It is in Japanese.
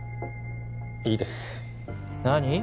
いいです何？